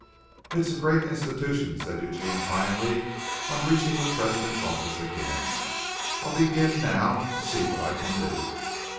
"It's a great institution," said Eugene finally, on reaching the president's office again. "I'll begin now and see what I can do."